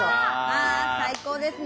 あ最高ですね。